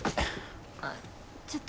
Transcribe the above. ああちょっと。